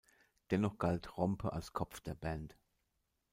Dennoch galt Rompe als Kopf der Band.